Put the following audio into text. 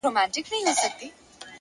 پوه انسان د حقیقت لټون نه پرېږدي،